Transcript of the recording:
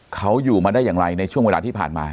เขาอยู่มาได้อย่างไรในช่วงเวลาที่ผ่านมา